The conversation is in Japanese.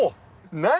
何？